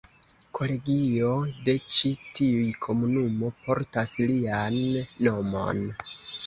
Kolegio de ĉi tiu komunumo portas lian nomon.